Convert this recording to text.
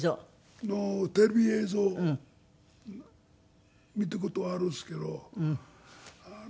テレビ映像見た事あるんですけど。